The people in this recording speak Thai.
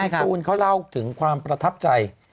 ตูนเขาเล่าถึงความประทับใจ